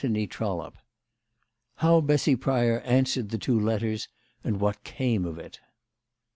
CHAPTER IX. HOW BESSY PRYOR ANSWERED THE TWO LETTERS, AND WHAT CAME OF IT.